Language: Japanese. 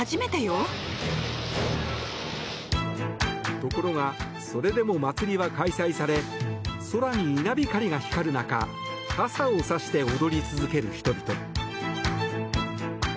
ところがそれでも祭りは開催され空に稲光が光る中傘を差して踊り続ける人々。